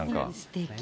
すてき。